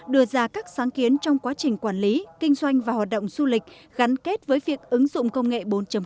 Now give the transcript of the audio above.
đưa ra các sáng kiến trong quá trình quản lý kinh doanh và hoạt động du lịch gắn kết với việc ứng dụng công nghệ bốn